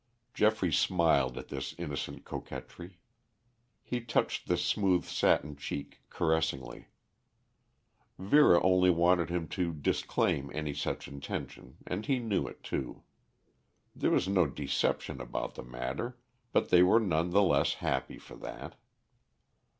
Geoffrey smiled at this innocent coquetry. He touched the smooth satin cheek caressingly. Vera only wanted him to disclaim any such intention and he knew it, too. There was no deception about the matter, but they were none the less happy for that.